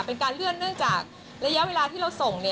เป็นการเลื่อนเนื่องจากระยะเวลาที่เราส่ง